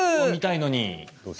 見たいのに。